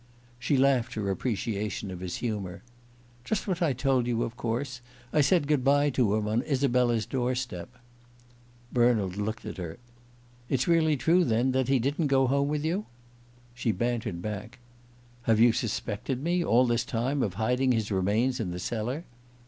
She laughed her appreciation of his humour. "Just what I told you, of course. I said good bye to him on Isabella's door step." Bernald looked at her. "It's really true, then, that he didn't go home with you?" She bantered back: "Have you suspected me, all this time, of hiding his remains in the cellar?"